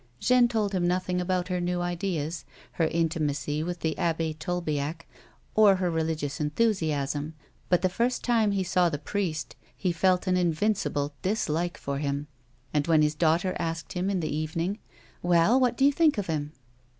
Jeanne told him nothing about her new ideas, her intimacy with the Abbe Tolbiac, or her religious enthusiasm, but the first time he saw the priest, he felt an invincible dislike for him, and when his daughter asked him, in the evening :" Well, what do you think of him?